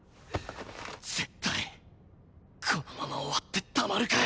絶対このまま終わってたまるかよ！